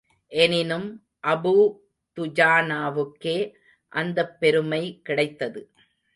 எனினும், அபூ துஜானாவுக்கே அந்தப் பெருமை கிடைத்தது.